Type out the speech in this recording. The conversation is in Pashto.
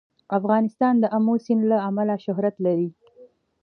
افغانستان د آمو سیند له امله شهرت لري.